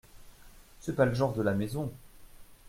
C’est pas le genre de la maison